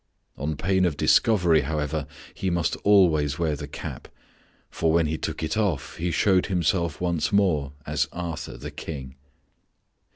On pain of discovery, however, he must always wear the cap, for when he took it off he showed himself once more as Arthur the King.